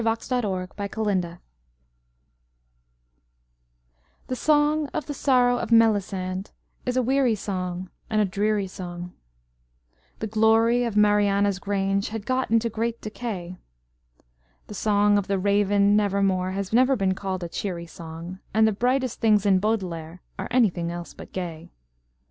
The Song Against Songs The song of the sorrow of Melisande is a weary song and a dreary song, The glory of Mariana's grange had got into great decay, The song of the Raven Never More has never been called a cheery song, And the brightest things in Baudelaire are anything else but gay.